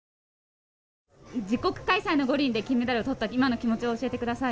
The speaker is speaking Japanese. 自国開催の五輪で金メダルをとった今の気持ちを教えてくださ